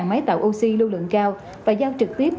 máy tạo oxy lưu lượng cao và giao trực tiếp